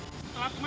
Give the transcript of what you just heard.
iya gak aman